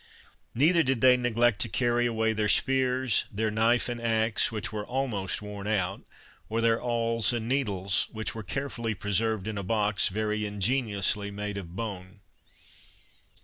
Neither did they neglect to carry away their spears, their knife and axe, which were almost worn out, or their awls and needles, which were carefully preserved in a box, very ingeniously made of bone.